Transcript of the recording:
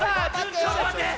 ちょっとまって。